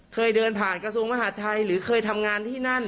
เคยเดินผ่านกระทรวงมหาดไทยหรือเคยทำงานที่นั่น